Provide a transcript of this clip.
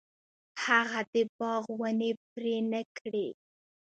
هغه د باغ ونې پرې نه کړې.